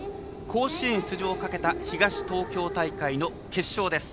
甲子園出場をかけた東東京大会の決勝です。